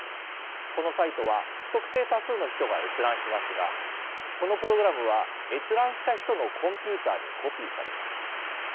このサイトは不特定多数の人が閲覧しますがこのプログラムは閲覧した人のコンピューターにコピーされます。